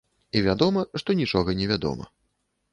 І вядома, што нічога невядома.